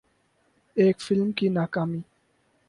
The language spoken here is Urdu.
ایک فلم کی ناکامی